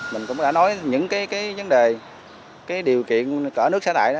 mình cũng đã nói những cái vấn đề cái điều kiện ở nước xã tại đó